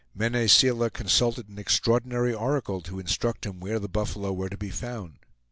Mene Seela consulted an extraordinary oracle to instruct him where the buffalo were to be found.